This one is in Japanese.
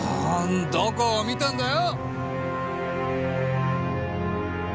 どこを見たんだよ！？